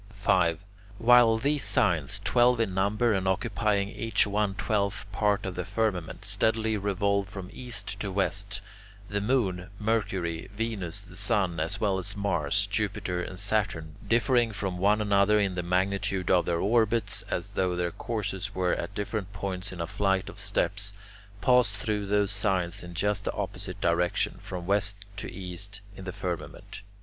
5. While these signs, twelve in number and occupying each one twelfth part of the firmament, steadily revolve from east to west, the moon, Mercury, Venus, the sun, as well as Mars, Jupiter, and Saturn, differing from one another in the magnitude of their orbits as though their courses were at different points in a flight of steps, pass through those signs in just the opposite direction, from west to east in the firmament.